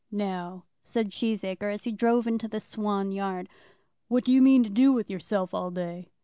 "Now," said Cheesacre, as he drove into the Swan yard, "what do you mean to do with yourself all day?"